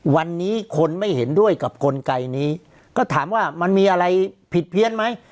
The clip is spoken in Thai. วันนี้คนไม่เห็นด้วยกับกลไกนี้ก็ถามว่ามันมีอะไรผิดเพี้ยนไหม